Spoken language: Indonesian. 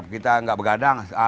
kita tidak begadang